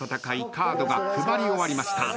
カードが配り終わりました。